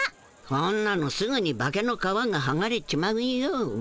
そんなのすぐに化けの皮がはがれちまうよ。